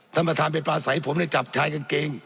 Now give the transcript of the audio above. ธรรมธาตุเป็นปลาใสผมได้จับชายกางเกง